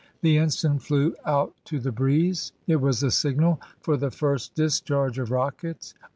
The ensign flew out to the breeze: it was the signal for the first discharge of rockets.